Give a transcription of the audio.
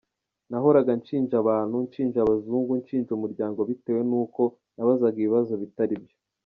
Nahoraga nshinja abantu, nshinja abazungu, nshinja umuryango bitewe n’uko nabazaga ibibazo bitari byo.